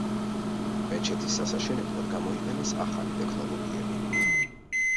მეჩეთის ასაშენებლად გამოიყენეს ახალი ტექნოლოგიები.